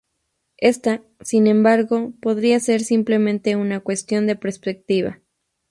Ésta, sin embargo, podría ser simplemente una cuestión de perspectiva.